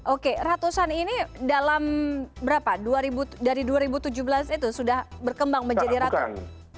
oke ratusan ini dalam berapa dua ribu dari dua ribu tujuh belas itu sudah berkembang menjadi ratusan dua ribu dua belas dua ribu sembilan belas